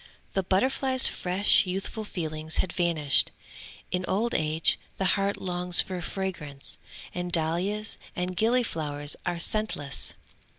The butterfly's fresh youthful feelings had vanished. In old age, the heart longs for fragrance, and dahlias and gillyflowers are scentless.